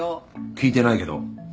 聞いてないけど。